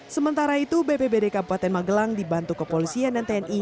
sementara itu bpbd kabupaten magelang dibantu kepolisian dan tni